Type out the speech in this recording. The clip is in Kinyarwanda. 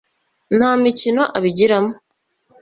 nta mikino abigiramo